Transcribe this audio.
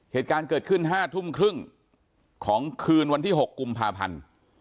เหตุการณ์เกิดขึ้น๕ทุ่มครึ่งของคืนวันที่๖กุมภาพันธ์